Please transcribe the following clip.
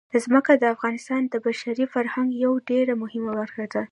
ځمکه د افغانستان د بشري فرهنګ یوه ډېره مهمه برخه ده.